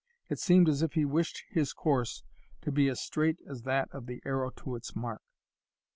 It seemed as if he wished his course to be as straight as that of the arrow to its mark.